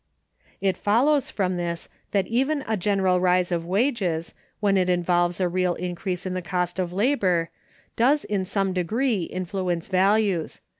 It follows from this that even a general rise of wages, when it involves a real increase in the cost of labor, does in some degree influence values.